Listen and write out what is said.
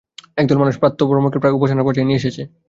একদল মানুষ প্রাতঃভ্রমণকে প্রায় উপাসনার পর্যায়ে নিয়ে এসেছে।